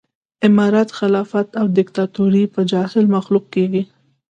امارت خلافت او ديکتاتوري به جاهل مخلوق کېږي